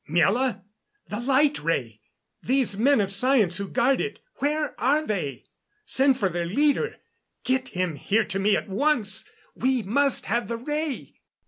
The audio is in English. "Miela! The light ray! These men of science who guard it, where are they? Send for their leader. Get him here to me at once we must have the ray!"